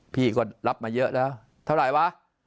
พี่ก็รับมาเยอะแล้วเท่าไหร่วะ